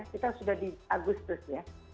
kita sudah di agustus ya